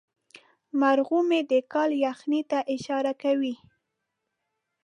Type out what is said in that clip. مرغومی د کال یخنۍ ته اشاره کوي.